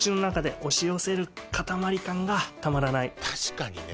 確かにね